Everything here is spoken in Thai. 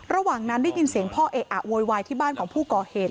ระหว่างนั้นได้ยินเสียงพ่อเอะอะโวยวายที่บ้านของผู้ก่อเหตุ